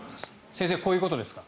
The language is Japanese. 先生、こういうことですか？